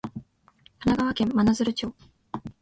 神奈川県真鶴町